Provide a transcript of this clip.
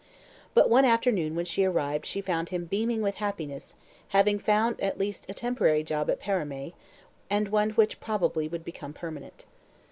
But one afternoon when she arrived she found him beaming with happiness, having found at least a temporary job at Paramé, and one which probably would become permanent.